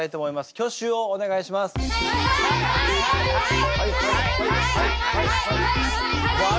挙手をお願いします。